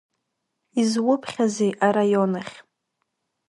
Изуԥхьазеи араион ахь?